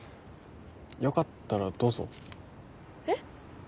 よかったらどうぞえっ？